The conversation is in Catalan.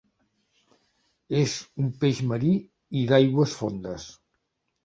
És un peix marí i d'aigües fondes.